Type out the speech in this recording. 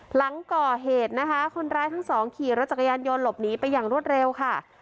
หลังก่อเหตุนะคะคนร้ายทั้งสองขี่รถจักรยานยนต์หลบหนีไปอย่างรวดเร็วค่ะ